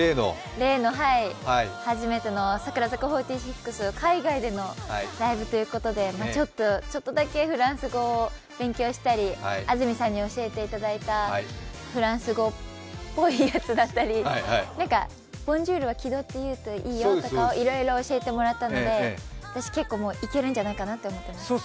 例の初めての、櫻坂４６海外でのライブということでちょっとだけフランス語を勉強したり、安住さんに教えていただいたフランス語っぽいやつだったりなんかボンジュールは気取って言うといいよとか、いろいろ教えてもらったので、私、結構いけるんじゃないかなと思っています。